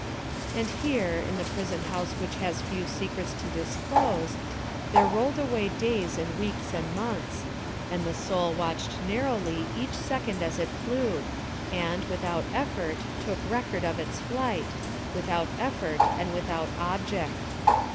And here, in the prison house which has few secrets to disclose, there rolled away days and weeks and months; and the soul watched narrowly each second as it flew, and, without effort, took record of its flight—without effort and without object.